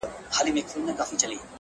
زاهده دغه تا نه غوښتله خدای غوښتله _